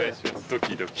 ドキドキ。